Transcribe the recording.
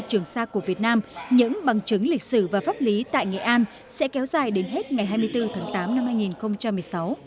trường sa của việt nam những bằng chứng lịch sử và pháp lý tại nghệ an sẽ kéo dài đến hết ngày hai mươi bốn tháng tám năm hai nghìn một mươi sáu